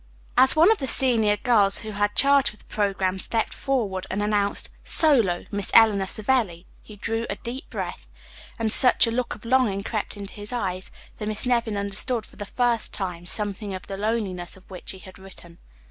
As one of the senior girls who had charge of the programme stepped forward and announced, "Solo, Miss Eleanor Savelli," he drew a deep breath, and such a look of longing crept into his eyes that Miss Nevin understood for the first time something of the loneliness of which he had written.